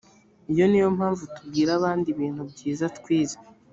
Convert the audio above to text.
iyo ni yo mpamvu tubwira abandi ibintu byiza twize